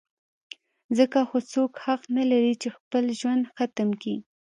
ځکه خو هېڅوک حق نه لري چې خپل ژوند ختم کي.